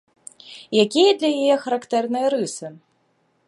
Якія для яе характэрныя рысы?